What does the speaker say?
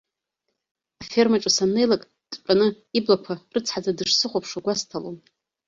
Афермаҿы саннеилак, дтәаны, иблақәа рыцҳаӡа дышсыхәаԥшуа гәасҭалон.